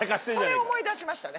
それ思い出しましたね。